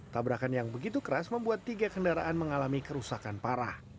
tabrakan yang begitu keras membuat tiga kendaraan mengalami kerusakan parah